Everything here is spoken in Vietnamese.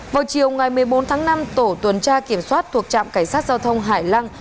vào chiều ngày một mươi bốn tháng năm tổ tuần tra kiểm soát thuộc trạm cảnh sát giao thông hải lăng